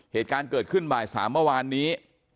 เหตุการณ์เกิดขึ้นบ่าย๓เมื่อวานนี้